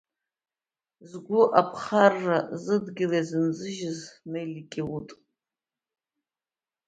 Згәы аԥхарра зыдгьыл иазынзыжьыз Нелли Киут.